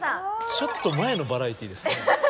ちょっと前のバラエティーですね。